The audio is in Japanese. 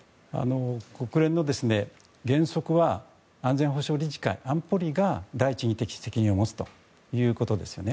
国連の原則は安全保障理事会、安保理が第１義的責任を持つということですよね。